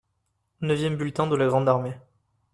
Neuvième bulletin de la grande armée.